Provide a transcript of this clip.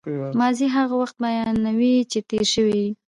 ماضي هغه وخت بیانوي، چي تېر سوی يي.